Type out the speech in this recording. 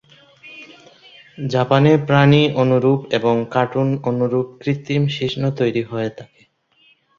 জাপানে প্রাণী অনুরূপ এবং কার্টুন অনুরূপ কৃত্রিম শিশ্ন তৈরী হয়ে থাকে।